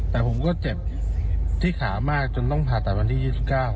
แต่ผมก็เจ็บที่ขามากจนต้องผ่าตัดวันที่๒๙